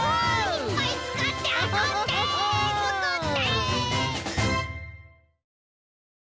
いっぱいつかってあそんでつくって！